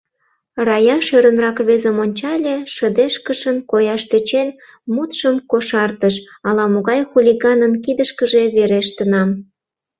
— Рая шӧрынрак рвезым ончале, шыдешкышын кояш тӧчен, мутшым кошартыш: — ала-могай хулиганын кидышкыже верештынам.